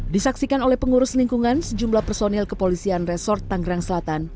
disaksikan oleh pengurus lingkungan sejumlah personil kepolisian resort tanggerang selatan